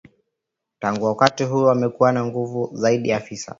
Tangu wakati huo wamekuwa na nguvu zaidi afisa